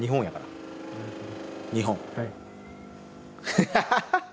ハハハハハ！